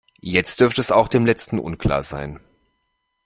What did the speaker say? Jetzt dürfte es auch dem Letzten unklar sein.